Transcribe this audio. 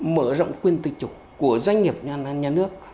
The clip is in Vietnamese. mở rộng quyền tự chủ của doanh nghiệp nhà nước